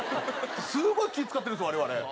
すごい気ぃ使ってるんです我々。